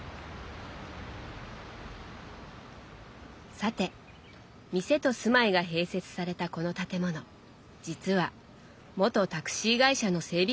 さて店と住まいが併設されたこの建物実は元タクシー会社の整備